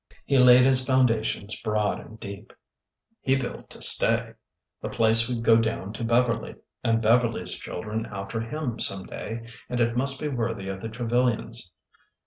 He laid his foundations broad and deep. He built td stay. The place would go down to Beverly, and Beverly's 6 ORDER NO. 11 children after him some day, and it must be worthy of the Trevilians.